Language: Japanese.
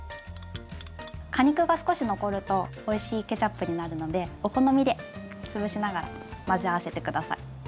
果肉が少し残るとおいしいケチャップになるのでお好みで潰しながら混ぜ合わせて下さい。